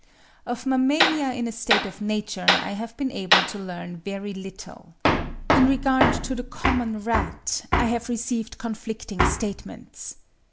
Of mammalia in a state of nature I have been able to learn very little. In regard to the common rat, I have received conflicting statements.